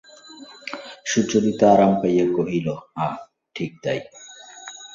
সুচরিতা আরাম পাইয়া কহিল, হাঁ, ঠিক তাই।